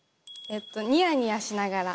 「ニヤニヤしながら」。